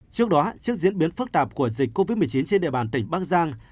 trước đó trước diễn biến phức tạp của dịch covid một mươi chín trên địa bàn tỉnh bắc giang